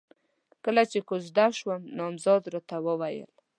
کله چې کوژده شوم، نامزد راته وويل: